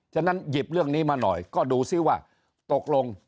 ฉะนั้นหยิบเรื่องนี้มาหน่อยก็ดูซิว่าตกลง